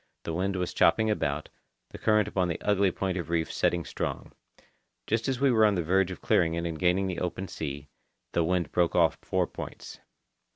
The wind was chopping about, the current upon the ugly point of reef setting strong. Just as we were on the verge of clearing it and gaining open sea, the wind broke off four points.